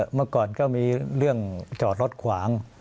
เมื่อก่อนก็มีเรื่องจอดรถขวาง